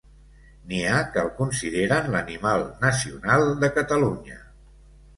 N'hi ha que el consideren l'animal nacional de Catalunya.